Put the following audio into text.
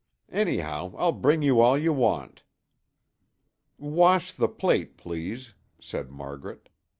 "Anyhow, I'll bring you all you want." "Wash the plate, please," said Margaret.